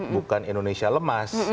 bukan indonesia lemas